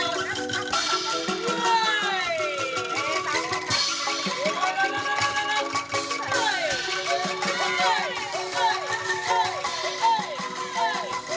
dengan perkembangan mereka ke padang kasin kaya itump